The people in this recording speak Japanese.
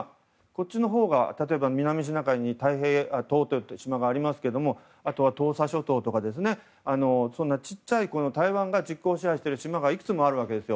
こっちのほうが例えば南シナ海に島がありますけどあとは東沙諸島ですとか、小さい台湾が実効支配している島がいくつもあるわけです。